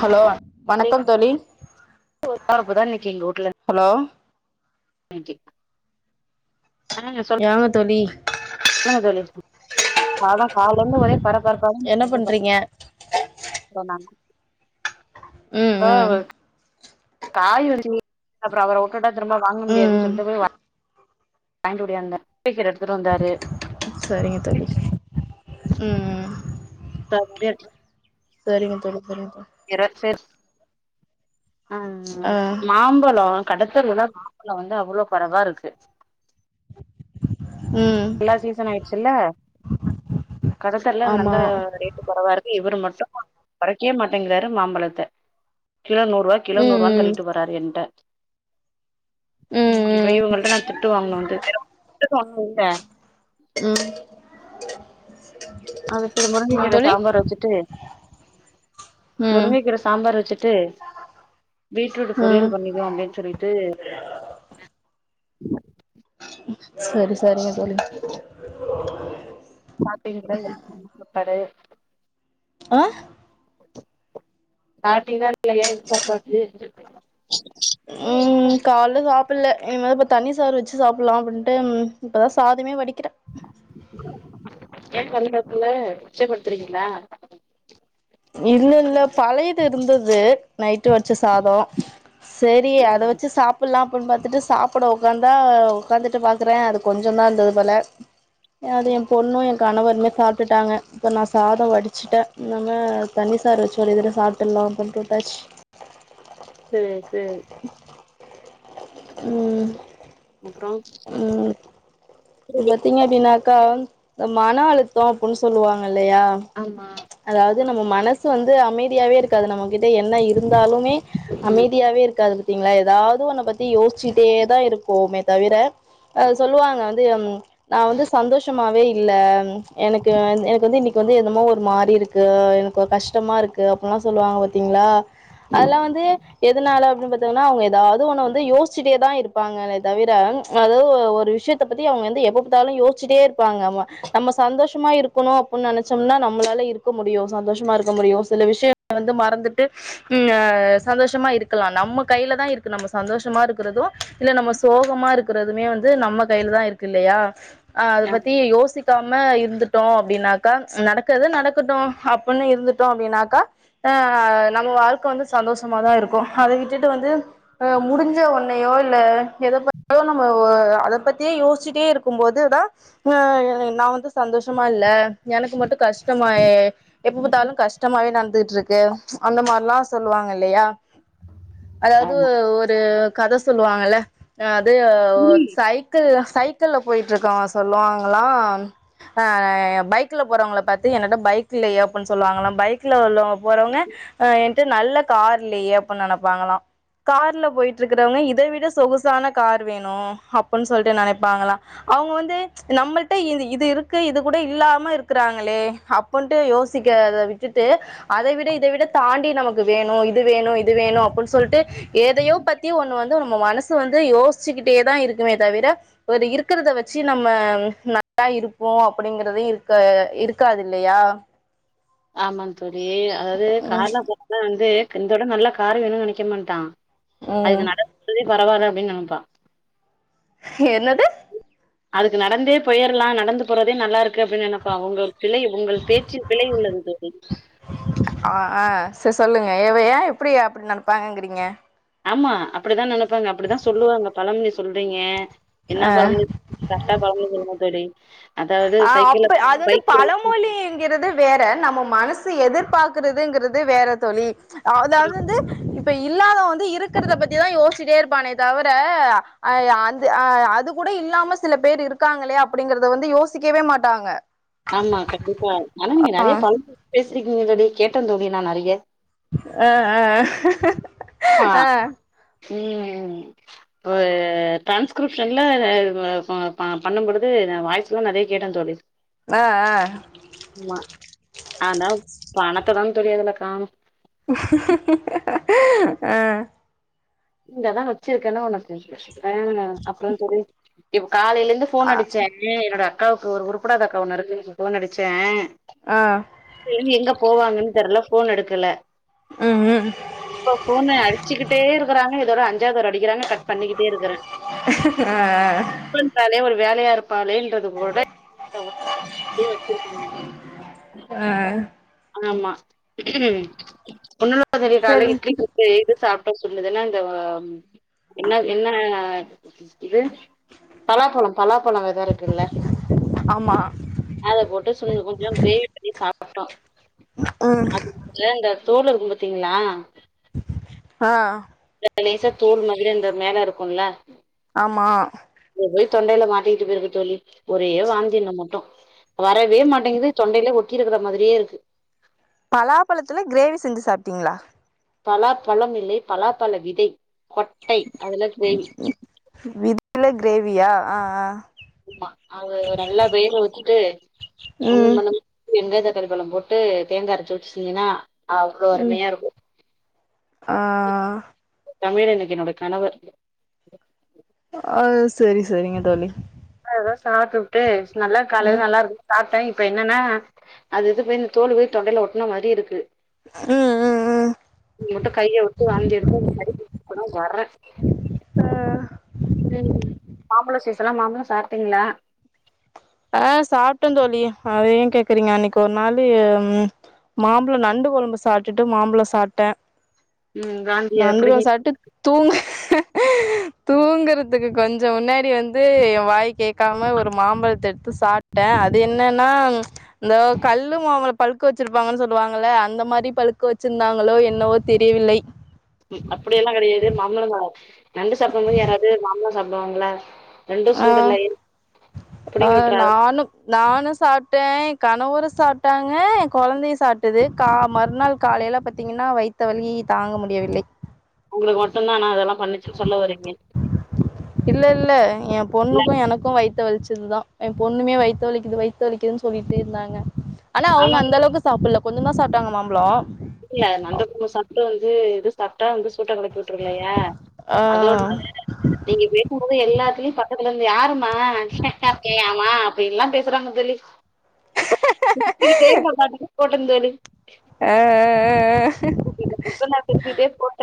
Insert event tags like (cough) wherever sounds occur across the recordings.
Hello வணக்கம் தோழி பரபரப்புதா இன்னைக்கு ஹலோ தேங்க்யூ ஆ நீங்க சொல் லுங்க தோழி லுங்க தோழி அதா கால்லருந்து ஒரே பர என்ன பரப்பாதா பண்றீங்க (inaudible) வேணாமா ம் ம் நாவு காய் வந்ச்சுங்க அப்பற அவர வுட்டுட்டா திரும்ப வாங்க ம் முடியாதுன் ம் சொல்ட்டு போய் வா வாய்ங்கிட்டு ஒடியாந்தே சீக்கர எட்த்துட்டு வந்தாரு செரிங்க தோழி ம் ம் தம்பியா இருக்கலா சேரிங்க தோழி சேரிங்க தோழி உயர் ஃபேஸ் ஆ ஆ மாம்பழ கடத்தெருவுல மாம்பழ வந்து அவ்ளோ கொறவா இருக்கு ம் எல்லா சீசன் ஆயிருச்சுல்ல கடத்தெருல நல்ல ஆமா ரே ட்ரு கொறவா இருக்கு இவரு மட்டு கொறைக்காவே மாட்டிங்கிறாரு மாம்பழத்த கிலோ நூறுவாய் கிலோ ம் நூறுவான் ம் தள்ளிட்டு போறாரு என்ட்ட ம் இப்ப இவுங்கள்ட்ட நா திட்டு வாங்கனுன்ட்டு திட்டுவாங்கள்ல ம் அதா சேரி முருங்கக் என்ன கீர தோழி சாம்பார வெச்சுட்டு ம் முருங்கக்கீர சாம்பாரு வெச்சுட்டு பீட்ரூட்ட ம் பொரியல் பண்ணிக்குவோ அப்டின் சொல்லிட்டு சேரி சேரிங்க தோழி சாப்ட்டீங்ளா இல்லன் கூப்ட்டாரு ஆ சாப்ட்டீங்ளா இல்லையா இங்க ஒக்காந்து ம் கால்ல சாப் புட்ல ஏனா இப்ப தண்ணி சோரறு வெச்சு சாப்பிட்லா அப்டின்ட்டு இப்ப தா சாதமே வடிக்கிறே ஏ பண்ணி சாப்புட்ல மிச்சப்படுத்துறீங்களா இல்ல இல்ல பழையது இருந்தது நைட்டு வச்ச சாத சேரி அத ம் வெச்சு சாப்பிட்லா அப்டின் பாத்துட்டு சாப்புட ஒக்காந்தா ஒக்காந்துட்டு பாக்குறே அது கொஞ்ச தா இருந்தது போல அத எ பொண்ணு எ கனவருமே சாப்ட்டுட்டாங்க இப்ப நா சாத வடிச்சுட்டே ம் அதா தண்ணி சாறு வெச்சு ஒரு இதுல சாப்ட்டுர்லா அப்டின்ட்டு விட்டாச்சு சேரி சேரி ம் அப்றோ ம் இங்க எப்டினா எப்டினாக்கா அ மன அழுத்த அப்டின்னு சொல்லுவாங்க இல்லையா ஆமா அதாவ்து நம்ம மனசு வந்து அமைத் தியாவே இருக்காது நம்ம கிட்ட என்ன இருந்தாலுமே அமைதியாவே இருக்காது பத்திங்ளா எதாவ்து ஒன்ன பத்தி யோசிச்சுட்டே தா இருக்குமே தவிர அது சொல்லுவாங்க வந் தும் நா வந்து சந்தோஷமாவே இ இல்ல எனக்கு எனக்கு வந்து இன்னைக்கு வந்து என்னமோ ஒரு மாரி இருக்கு எனக்கொரு கஷ்டமா இருக் கு அப்டின்லா சொல்லுவாங்க பாத்தீங்களா ம் அதெல்லா வந்து எதுனால அப்டின் பாத்தீங்கனா அவ்ங்க எதாவ்து ஒன்ன வந்து யோசச்சுட்டேதா இருப் ப்பாங்கலே தவிர அதாவ்து ஒரு விஷ்யத் த்த பத்தி அவ்ங்க வந்து எப்ப பாத்தாலு யோசிச்சுட்டே இருப்பாங்க ஆமா நம்ம சந்தோஷமா இருக்கணு அப்டின் நெனச்சம்னா நம்மளால இருக் இருக்க முடியு சந்தோஷமா இருக்க முடியு சில விஷயங்கள் வந்து மறந்துட்டு ம் சந்தோஷமா இருக்கலா நம்ம கையில தா இருக்கு நம்ம சந்தோஷமா இருக்கிறது இல்ல நம்ம சோகமா இருக்கறதுமே வந்து நம்ம கையில தா இருக்கு இல்லையா ஆ அத ஆமா பத்தி யோசி க்காம இருந்துட்டோ அப்படின்னாக்கா நடக்குது நடக்கட்டு அப்படின்னு இருந்துட்டோ அப்படின்னாக்கா ஆ நம்ம வாழ்க்க வந்து சந்தோஷமாதா இருக்கோ அத விட்டுட்டு வந்து முடிஞ்ச ஓன்னையோ இல்ல எத பத்தோ நம்ம அத பத்தி யோசச்சிட்டே இருக்கும்போது தா ஆ நா வந்து சந்தோஷமா இல்ல எனக்கு மட்டு கஷ்டமாய் எப்ப பார்த்தாலு கஷ்டமாவே நடந்துகிட்டு இருக்கு அந்த மாதிரில்லா சொல்லுவாங்க இல்லையா (inaudible) அதாவது ஒரு கத சொல்லுவாங்கல அது சைக் கள் சைக்கிள் போயிட்டு இருக்கவா சொல்லுவாங்களா ஆ பைக்ல போறவங்கள பாத்து என்னட பைக் இல்லையே அப்படின்னு சொல்லுவாங்களா பைக்ல உள்ளவங்க போறவங்க அ என்ட நல்ல கார் இல்லையே அப்படின்னு நினைப்பாங்களா கார்ல போயிட்டு இருக்கறவங்க இத விட சொகுசான கார் வேணு அப்புட்னு சொல்லிட்டு நினைப்பாங்களா அவங்க வந்து நம்மள்ட இது இது இருக்கு இது கூட இல்லாம இருக்கறாங்களே அப்பின்ட்டு யோசிக்கிறத விட்டுட்டு அத விட இத விட தாண்டி நமக்கு வேணு இது வேணு இது வேணு அப்படின்னு சொல்லிட்டு எதையோ பத்தி ஒண்ணு வந்து நம்ம மனசு வந்து யோசிச்சுக்கிட்டே தா இருக்குமே தவிர ஒரு இருக்கிறத வச்சு நம்ம நல்லா இருப்போ அப்படிங்கறத இருக்க இருக்காது இல்லையா ஆமாங்க தோழி அதாவது கார்ல வந்து இந்தோட நல்ல கார் வேணும்னு நினைக்க மாட்டா உம் அதுக்கு நடந்து பரவல்ல அப்படின்னு நினைப்பா என்னது அதுக்கு நடந்தே போயிடலா நடந்து போறதே நல்லா இருக்கு அப்படின்னு நினைப் ப்பா உங்க பிழை உங்கள் பேசில் பிழை உள்ளது தோழி ஆ ஆ சரி சொல்லுங்க எவையா எப்படி அப்படி நினைப்பாங்கங்கிறீங்க ஆமா அப்படிதா நினைப்பாங்க அப்படிதா சொல்லுவாங்க பழமொழி சொல்றீங்க என்ன பழமொழி கரெக்ட் பழமொழி சொல்லுங்க தோழி அதாவது ஆ சைக்கிள்ல அப்ப அது போறவ வந்து பைக்ல இடிச்சுக்கும். பழமொழி ங்கிறது வேற நம்ம மனசு எதிர்பார்க்கறதுங்கிறது வேற தோழி அதாவது வந்து இப்ப இல்லாத வந்து இருக்கிறத பத்திதா யோசிட்டே இருப்பானே தவிர அந்த அது கூட இல்லாம சில பேர் இருக்காங்களே அப்படிங்கறத வந்து யோசிக்கவே மாட்டாங்க ஆமா கண்டிப்பா ஆனா நீங்க நறைய பழமொழி பேசறக்கீங் தோழி கேட்ட தோழி நா நறைய ஆ ஆ ஆமா ம் இப்ப ட்ரான்ஸ் கிரிப்ஷனில் பண்ணும்பொழுது வாய்ஸ்லா நறைய கேட்டே தோழி ஆ அ ஆமா அதான் பணத்த தா தோழி அதுல காணும் ஆ இங்கதா வச்சிருக்கேன்னு உனக்கு இருக்கு அப்புறம் தோழி இப்ப காலையில இருந்து போன் அ அடிச்ச ஏ என்னோட அக்காவுக்கு ஒரு உருப்படாத அக்கா ஒண்ணு இருக்குனு சொல் போன் அடிச்ச ஆ டெய்லி எங்க போவாங்கன்னு தெர்ல போன் எடுக்கல ம் ம் இப்ப போன அடிச்சுக்கிட்டே இரு இதுவே அஞ்சாதர அடிக்கிறாங்க கட் பண்ணிக்கிட்டே இருக்குற அ கட் பண்றாலே ஒரு வேலயாருப் ப்பாளேன்றது கூட தெரியாத (inaudible) வச்சிருக்காங்க அ ஆமா ஒன்னு தெரிய கால்லே சரி இட்லி குட்த எது சாப்ட்டோ சொன்னதுன்னா இந்த என்ன என்ன இது பலாப்பழம் பலாப்பழோ வெத இருக்குல்ல ஆமா அத போட்டு (unintelligible) கொஞ்சம் கிரேவி பண்ணி சாப்ட்டோ ம் அது இந்த தோலு இருக்கு பாத்தீங்ளா ஆ இந்த லேசா தோள் மாதிரி அந்த மேல இருக்குல்ல ஆமா அது போய் தொண்டையில மாட்டிக்கிட்ருக்கு தோழி ஒரே வாந்தின்ன மட்டு வரவே மாட்டேங்குது தொண்டையிலே ஒட்டி இருக்கிற மாதிரியே இருக்கு பலாபழத்துல க்ரேவி செஞ்சு சாப்டீங்ளா பலா பழம் இல்லை பலா பழ விதை கொட்டை அதுல க்ரேவி விதைல கிரேவியா ஆ ஆ ஆமா அது நல்லா வேக வச்சுட்டு ம் ஒண்ணுல்லாம வெங்க தக்காளி பழம் போட்டு தேங்கா அரச்சு வச்சு செஞ்சின்னா அவ்ளோ ம் அருமையா இருக்கு ஆ தமிழ் எனக்கு என்னோட கணவர் ஆ சரி சரிங்க தோழி அது தா சாப்டுபுட்டு நல்லா கல ம் கலா இருக்கு சாப்ட்ட இப்ப என்னன்னா அது இது போய் இந்த தோல் போய் தொண்டைல ஒட்ன மாரி இருக்கு ம் ம் ம் இது மட்டு கைய விட்டு வாந்தி எடு (inaudible) வர்ற ஆ ம் மாம்பழோ சீசன்லா மாம்பழோ சாப்ட்டீங்ளா அ சாப்ட்ட தோழி அத ஏ கேக்குறீங்க அன்னைக்கு ஒரு நாளு மாம்பழோ நண்டு கொழம்பு சாப்ட்டுட்டு மாம்பழோ சாப்ட்ட ம் வன் நண்டுக்கம் சாட்டு தூங்க தூங்குறதுக்கு கொஞ்சோ முன்னாடி வந்து எ வாய் கேக்காம ஒரு மாம்பழத்த எடுத்து சாப் ட அது என்னன்னா இந்த கல்லு மாம்பழோ பழுக்க வச்சிருப்பாங்கன் சொல்லுவாங்கல்ல அந்த மாரி பழுக்க வச்சிருந்தாங்களோ என்னவோ தெரியவில்லை அப்படி எல்லா கெடையாது மாம்பழோ ஆ நண்டு சாப்டும் போது யாராவது மாம்பழோ சாப்டுவாங்ளா ரெண்டு ஆ சூடுல்லை ஆ புடிங்கி விட்றா நானு நானு சாப்ட்ட எ கணவரு சாப்ட்டாங்க எ கொழந்தையு சாப்ட்டது கா மறுநாள் காலைல பாத்தீங்கன்னா வைத்த வலி தாங்க முடியவில்லை உங்களுக்கு மட்டுதா ஆனா அதெல்லா பண்ணிச்சுன் சொல்ல வரீங்க இல்ல இல்ல எ பொண்ணுக்கு எனக்கு வைத்த வலிச்சதுதா எ பொண்ணுமே வைத்த வலிக்குது வை த்த வலிக்குதுன் சொல்லிட்டே இருந்தாங்க ஆனா அவங்க ஆமா அந்த அளவுக்கு சாப்புல்ல கொஞ்சதா சாப்டாங்க மாம்பழோ இல்ல நண்டுக்கு சத்து வந்து இது சாப்ட்டா வந்து சூட்ட கெளப்பி உட்டுருல்லையா ஆ அதோட நீங்க பேசு போது எல்லாத்லியு பக்கதுலந்து யாருமா சாப்டியாமா அப்டின்ல்லா பேசறாங்க தோழி சிரிச்சிக்கிட்டே நா பாட்டுக்கு போட்ட தோழி அ அ அ அ சும்மா சிரிச்சிக்கிட்டே போட்ட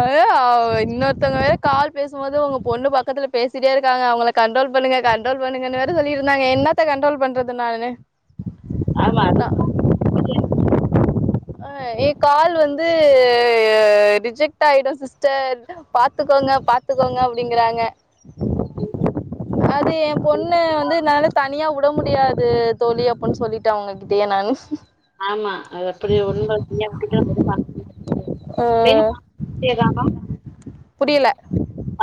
அய்யோ இன்னொருத்தவங்க வேற கால் பேசுபோது உங்க பொண்ணு பக்கத்துல பேசிட்டே இருக்காங்க அவங்கள கண்ட்ரோல் பண்ணுங்க பண்ணுங்கன்னு வேற சொல்லிருந்தாங்க என்னத்தா கண்ட்ரோல் பண்றது நானு ஆமா அதுக் தா அ எ கால் வந்து ரிஜெக்ட் ஆயிடு சிஸ்டர் பாத்துக்கோங்க பாத்துக்கோங்க அப்டிங்கறாங்க அது எ பொண்ணு வந்து என்னால தனியா வுட முடியாது தோழி அப்டின் சொல்லிட்டு அவுங்க கிட்டயே நானு ஆமா அது அப்டியே (unintelligible) ஆ (unintelligible) செய்லாமா புரியல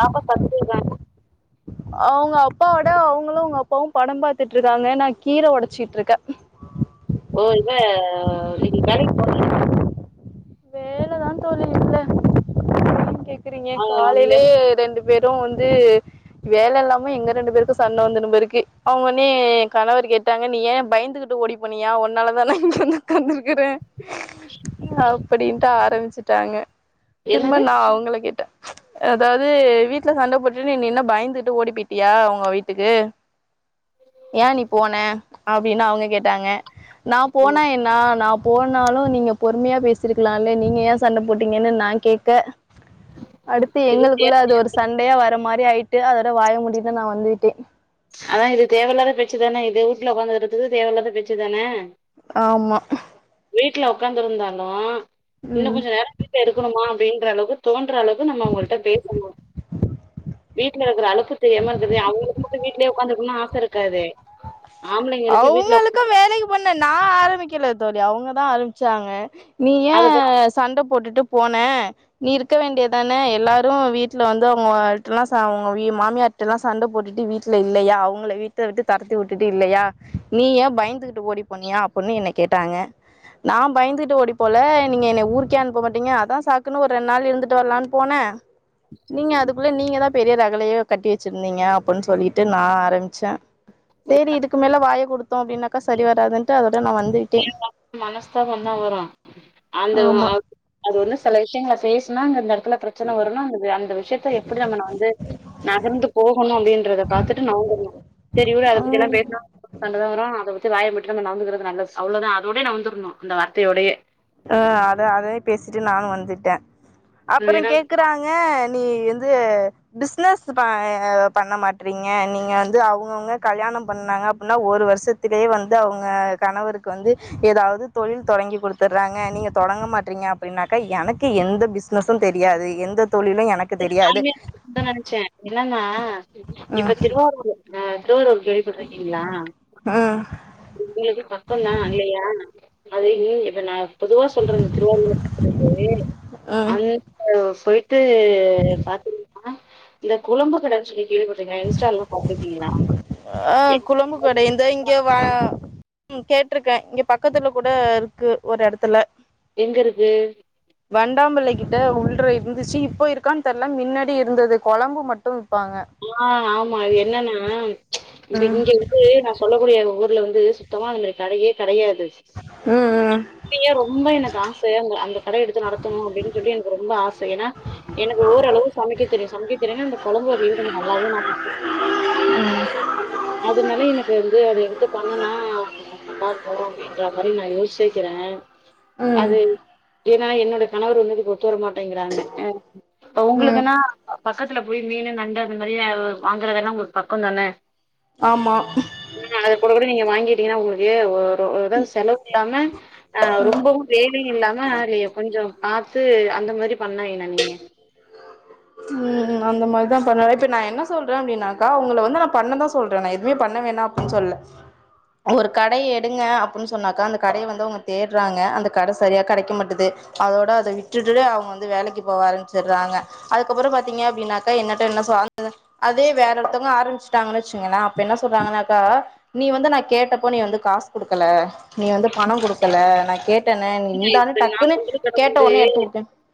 ஆபோஸ் பத்து பேரு அவுங்க அப்பா ஒட அவுங்களு அவுங்க அப்பாவு படம் பாத்துட்ருக்காங்க நா கீர ஒடச்சிட்ருக்க ஓ இவ இன்னைக்கு வேலைக் போனி வேலதா தோழி இல்ல ஏ கேக்குறீங்க காலையிலேயே ரெண்டு பேரு வந்து வேல இல்லாம எங்க ரெண்டு பேருக்கு சண்ட வந்துருமேருக்கு அவுங்க ஒன்னே எ கணவர் கேட் ட்டாங்க நீ ஏ பயந்துகிட்டு ஓடி போனியா உன்னால தான இங்க வந்து உக்காந்திருக்கற அப்படின்ட்டு ஆரம்பிச்சிட்டாங்க திரும்ப என்னது நா அவுங்கள கேட்ட அதாவது வீட்ல சண்ட போட்டுனு நீ இன்னா பயந்துட்டு ஓடி போய்டியா ஒங்க வீட்டுக்கு ஏ நீ போன அப்டினு அவுங்க கேட்டாங்க நா போனா ம், என்னா நா போனாலு நீங்க பொறுமையா பேசிருக்கலால்ல நீங்க ஏ சண்ட போட்டீங்கன்னு நா கேக்க அடுத்து இது தே- எங்களுக்குள்ள அது ஒரு சண்டயா வர மாரி ஆயிட்டு அதோட வாய மூடிட்டு நா வந்துவிட்டே அதா இது தேவ இல்லாத பேச்சி தான இது ஊட்ல உக்காந்துட்ருக்கு தேவயில்லாத பேச்சு தான ஆமா வீட்ல உக்காந்துருந்தாலு இன்னு ம் கொஞ்சோ நேரோ வீட்ல இருக்கணுமா அப்டின்ற அளவுக்கு தோன்ற அளவுக்கு நம்ம அவங்கள்ட்ட பேசனு வீட்ல இருக்ற அழுக்கு தெரியாம இருக்கற்து அவுங்களுக்கு து வீட்லேயே ஒக்காந்து ஒன்னு ஆச இருக்காது ஆம்பளைங்களுக்கு வீட்ல அவுங்களுக்கு வேலைக் பண்ண நா ஆரம்பிக்கல தோழி அவுங்கதா ஆரம்ச்சாங்க நீ ஏ அத பத்தி சண்ட போட்டுட்டு போன நீ இருக்க வேண்டிய தான எல்லாரு வீட்ல வந்து அவுங்கள்ட்லா ச அவுங்க வீ மாமியார் டல்லா சண்ட போட்டுட்டு வீட்ல இல்லையா அவுங்கள வீட்ட விட்டு தொரத்தி வுட் டுட்டு இல்லையா நீ ஏ பயந்துகிட்டு ஓடி போனியா அப்புன்னு என்னை கேட்டாங்க நா பயந்துட்டு ஓடி போல நீங்க என்னய ஊருக்கே அனுப்ப மாட்டீங்க அதா சாக்குன்னு ஒரு ரெண்டு நாள் இருந்துட்டு வரலான் போன நீங்க அதுக்குள்ள நீங்கதா பெரிய ரகலையோ கட்டி வச்சிருந்தீங்க அப்புன் சொல்லிட்டு நா ஆரம்ச்ச செரி இதுக்கு மேல வாய குடுத்தோ அப்டினக்கா சரி வராதுன்ட்டு அதோட நா வந்து தேவ இல்லாம மனஸ்தாப தா வரு அந்த ஆமா அது வந்து செல விஷியங்கள பேஸ்னா அங்க இந்த எடத்துல பிரச்சன வருணா அந்த அந்த விஷ்யத்த எப்டி நம்ம நா வந்து நகர்ந்து போகணும் அப்படின்றத பாத்துட்டு நவுன்துருணும் சரி விட அத ஆ பத்தில்லாம் பேசுனா ஃப்ரெண்ட் தாங்றோம் அதபத்ததி வாய விட்ருங்க நாவுந்துகிறது நல்லது அவ்ளோதா அதோடயே நவுந்துருணும் அந்த வார்த்தையோடயே அ அத அதயே பேசிட்டு நானு வந்துட்டேன் ஏன்னா அப்பறம் கேக்குறாங்க நீ வந்து பிஸ்னஸ் ப பண்ண மாட்றீங்க நீங்க வந்து அவங்கவுங்க கல்யாணம் பண்ணாங்க அப்டின்னா ஒரு வருஷத் துலயே வந்து அவுங்க கணவருக்கு வந்து ஏதாது தொழில் தொடங்கி குடுத் தர்றாங்க நீங்க தொடங்க மாட்றீங்க அப்டின்னாக்கா எனக்கு எந்த பிஸ்னஸும் தெரியாது எந்த தொழிலும் எனக் நானுமே அப்டி (unintelligible) தா நெனச்சேன் என்னன்னா ம் இப்ப திருவாரூர் அ திருவாரூர் கேள்வி பட்ருக்கீங்களா ம் உங்களுக்கு பக்கந்தான் இல்லயா அது இ இப்ப நான் பொதுவா சொல்றேங்க திருவாரூர் (unintelligible) ம் அந்த போயிட்டு ந்து பாத்தீங்னா இந்த குழம்பு கட சொல்லி கேள்வி பட்ருக்கீங்களா இன்ஸ்ட்டால்லாம் பாத்துருக்கீங்களா ஆ குழம்பு கடை இந்த இங்க அ கேட்டிருக்கேன் இங்க பக்கத்துல கூட இருக்கு ஒரு எடத்துல எங்க இருக்கு வண்டாம்பிள்ளை கிட்ட உள்ளற இருந்துச்சு இப்போ இருக்கான்னு தெர்ல மின்னாடி இருந்தது கொழம்பு மட்டு விப்பாங்க ஆ ஆமா அது என்னனா இது ம் இங்க து நா சொல்லக்கூடிய எங்க ஊர்ல வந்து சுத்தமா அந்த மாரி கடையே கெடையாது ம் ம் அப்பயே ரொம்ப எனக்கு ஆச அ அந்த கடைய எடுத்து நடத்தணும் அப்டின்னு சொல்லி எனக்கு ரொம்ப ஆச ஏன்னா எனக்கு ஓரளவு சமைக்க தெரியும் சமைக்க தெரியுன்னா அந்த கொழம்பு வகைங்க கொஞ்சோ நல்லாவு நா பண்ணுவேன் அதனால எனக்கு வந்து அத எடுத்து பண்ணுனா நல்லா இருக்கும் அப்டின்ற மாரி நா யோசிச்ருக்றேன் ம் அது என்னனா என்னோட கணவர் வந்து அதுக்கு ஒத்து வர மாட்டிங்றாங்க அ ம் அவங்களுக்குன்னா பக்கத்துல போய் மீன் நண்ட இந்த மாரி வாங்குறதெல்லாம் உங்களுக்கு பக்கம் தானே ஆமா இன்னோ நாள் அஞ்சு கூட கூட வாங்கிட்டீங்கன்னா உங்களுக்கு ஒ ஒரு ஏதாது செலவுக்கில்லாம ஆ ரொம்பவு வேலையு இல்லாமா நீங்க கொஞ்சம் பாத்து அந்த மாரி பண்ணா என்ன நீங்க (unintelligible) ம் அந்த மாரிதா பண்ணணு இப்ப நா என்ன சொல்றேன் அப்டின்னாக்கா உங்கள வந்து நா பண்ணதா சொல்றேன் நா எதுவமே பண்ண வேணா சொல்ல ஒரு கடை எ எடுங்க அப்டின் சொன்னாக்கா அந்த கடையை வந்து அவுங்க தேடுறாங்க அந்த கட சரியா கெடைக்க மாட்து அதோட அத விட்டுட்டு அவ்ங்க வந்து வேலைக்கு போவ ஆரம்பிச்சுறாங்க அதுக்கப்புறம் பாத்தீங்க அப்டின்னாக்கா என்னட்ட என்ன அதே வேற ஒருத்தவங்க ஆரம்பிச் ட்டாங்கன்னு வச்சுங்களன் அப்ப என்ன சொல்றாங்கன்னாக்கா நீ வந்து நா கேட்டப்ப நீ வந்து காஸ் குடுக்கல நீ வந்து பணம் குடுக்கல நா கேட்டனே நீ இந்தானு நா டக்குன்னு குடுக்குற கேட்ட வந்து ஒடனே எடுத்து குடுப்பே